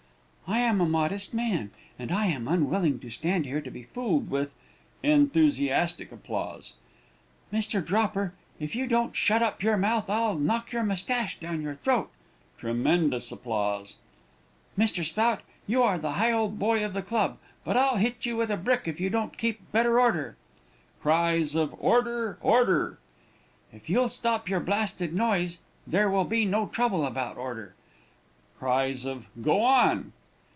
I am a modest man, and I am unwilling to stand here to be fooled with (enthusiastic applause); Mr. Dropper, if you don't shut up your mouth, I'll knock your moustache down your throat (tremendous applause). Mr. Spout, you are the Higholdboy of this club, but I'll hit you with a brick if you don't keep better order. (Cries of "Order!" "Order!") If you'll stop your blasted noise, there will be no trouble about order. (Cries of "Go on!")